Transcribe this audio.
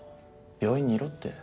病院にいろって。